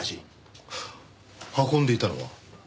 運んでいたのは？